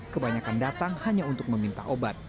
kebanyakan datang hanya untuk meminta obat